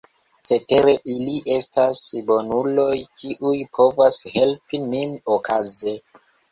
Cetere, ili estas bonuloj, kiuj povas helpi nin okaze.